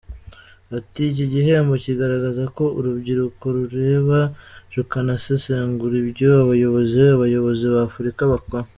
Ati: “Iki gihembo kigaragaza ko urubyiruko rureba rukanasesengura ibyo abayobozi abayobozi ba Afurika bakora.